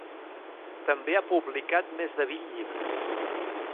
També ha publicat més de vint llibres.